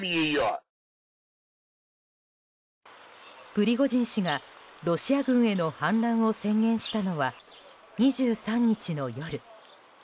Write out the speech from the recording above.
プリゴジン氏が、ロシア軍への反乱を宣言したのは２３日の夜。